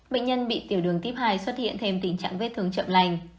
bệnh nhân bị tiểu đường tuyếp hai xuất hiện thêm tình trạng vết thương chậm lành